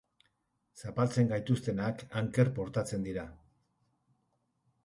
Zapaltzen gaituztenak anker portatzen dira.